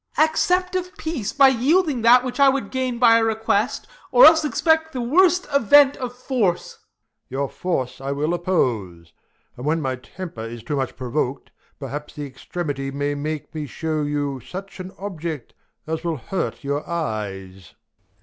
Ben. Accept of peace by yielding that which I Would gain by a request, or else expect The worst event of force. Prov. Your force I will Oppose ; and when my temper is too much Provok'd, perhaps the extremity may make Me shew you such an object, as will hurt Your eyes.